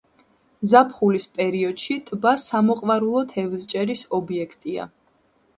ზაფხულის პერიოდში ტბა სამოყვარულო თევზჭერის ობიექტია.